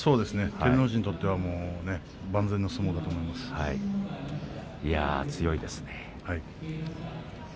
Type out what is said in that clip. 照ノ富士にとってはいや、強いですね。